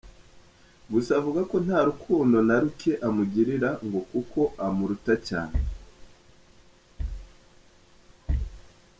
Gusa avuga ko nta rukundo na ruke amugirira ngo kuko amuruta cyane.